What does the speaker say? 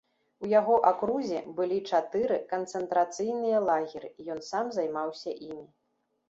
У яго акрузе былі чатыры канцэнтрацыйныя лагеры, і ён сам займаўся імі.